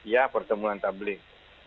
ya pertemuan tablik